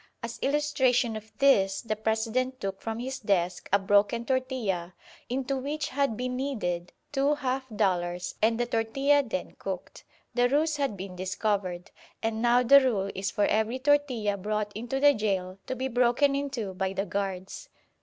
As illustration of this, the President took from his desk a broken tortilla into which had been kneaded two half dollars and the tortilla then cooked. The ruse had been discovered, and now the rule is for every tortilla brought into the gaol to be broken in two by the guards.